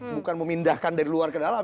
bukan memindahkan dari luar ke dalam